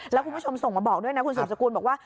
แล้วคุณผู้ชมส่งมาบอกด้วยนะคุณสืบสกุลบอกว่า